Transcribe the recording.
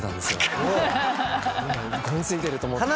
ゴミ付いてると思って。